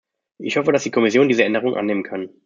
Ich hoffe, dass die Kommission diese Änderung annehmen kann.